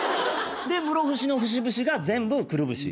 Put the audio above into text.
室伏の節々が全部くるぶし？